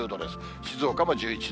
静岡も１１度。